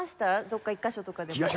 どこか１カ所とかでも。